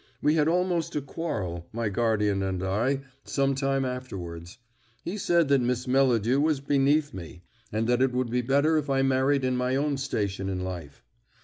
We had almost a quarrel, my guardian and I, some time afterwards. He said that Miss Melladew was beneath me, and that it would be better if I married in my own station in life.